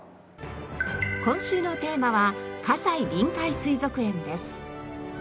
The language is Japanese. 今週のテーマは「西臨海水族園」です。